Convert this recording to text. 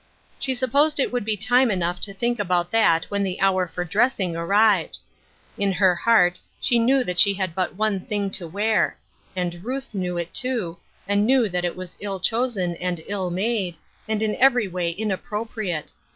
She supposed it would be time enough to think about that when the hour for dressing arrived. In her heart she knew that she had but one thing to wear ; and Ruth knew it too, and knew that it was ill chosen and ill made, and in every way inappropriate.